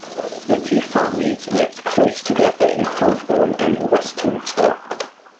The two families lived close together in Holborn and Westminster.